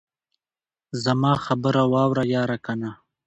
زما خبره واوره ياره کنه.